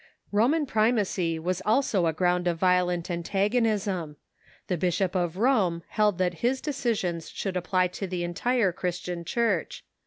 Roman primacy was also a ground of violent antagonism. The Bishop of Rome held that his decisions should apjjly to the entire Christian Church.